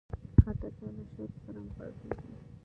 خټکی له شاتو سره هم خوړل کېږي.